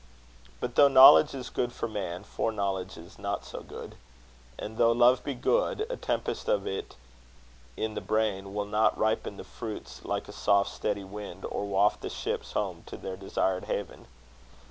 But though knowledge is good for man, foreknowledge is not so good. And, though Love be good, a tempest of it in the brain will not ripen the fruits like a soft steady wind, or waft the ships home to their desired haven.